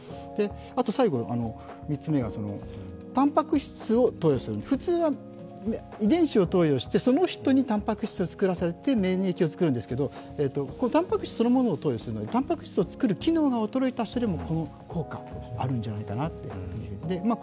最後、３つ目がたんぱく質を投与する、普通は遺伝子を投与してその人にたんぱく質を作らせて免疫を作るんですけど、これはたんぱく質そのものを投与するので、たんぱく質を作る機能が衰えた人でもこの効果があるんじゃないかと思います。